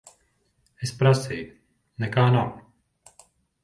Es prasīju. Nekā nav.